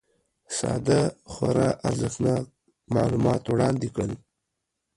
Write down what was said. ساده خورا ارزښتناک معلومات وړاندي کړل